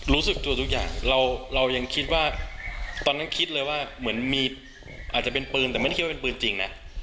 รู้สึกตัวทุกอย่างเรายังคิดว่าตอนนั้นคิดเลยว่าเหมือนมีอาจจะเป็นปืนแต่ไม่ได้คิดว่าเป็นปืนจริงนะ